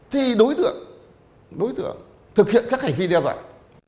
thì đối tượng đối tượng thực hiện các hành vi đeo dạng